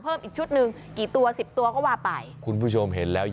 อารมณ์ของแม่ค้าอารมณ์การเสิรฟนั่งอยู่ตรงกลาง